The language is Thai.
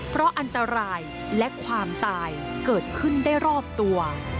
เพราะอันตรายและความตายเกิดขึ้นได้รอบตัว